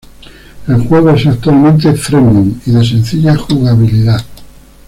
El juego es actualmente "freemium", y de sencilla jugabilidad.